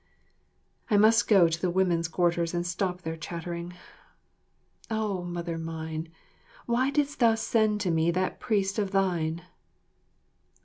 I must go to the women's quarters and stop their chattering. Oh, Mother mine, why didst thou send to me that priest of thine?